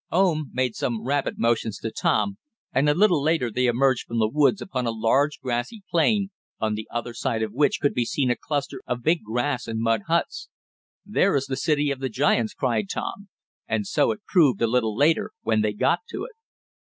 Oom made some rapid motions to Tom, and a little later they emerged from the woods upon a large, grassy plain, on the other side of which could be seen a cluster of big grass and mud huts. "There is the city of the giants!" cried Tom, and so it proved, a little later, when they got to it.